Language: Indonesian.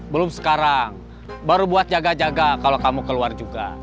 belum sekarang baru buat jaga jaga kalau kamu keluar juga